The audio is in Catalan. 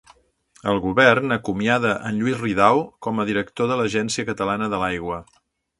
El Govern acomiada en Lluís Ridao com a director de l'Agència Catalana de l'Aigua.